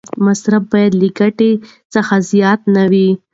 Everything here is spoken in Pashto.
مصرف باید له ګټې څخه زیات نه وي.